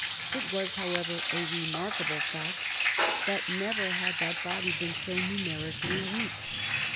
It was, however, a remarkable fact that never had that body been so numerically weak.